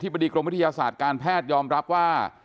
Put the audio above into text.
บดีกรมวิทยาศาสตร์การแพทย์ยอมรับว่า